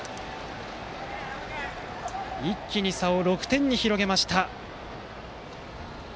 一気に差を６点に広げました。